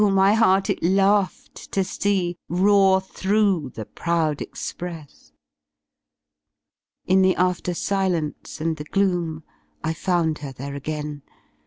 my heart it laughed to see Roar through the proud express. In the after silence and the gloom I found her there again.